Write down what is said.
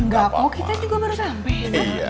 gak apa apa kita juga baru sampai